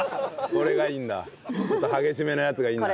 これがいいんだ。